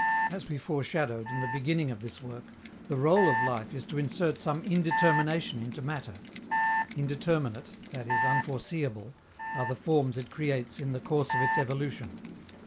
As we foreshadowed in the beginning of this work, the rôle of life is to insert some indetermination into matter. Indeterminate, i.e. unforeseeable, are the forms it creates in the course of its evolution.